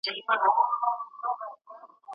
مـــــعصومه خدای ته وکسه ته لا جهان نه پېژنې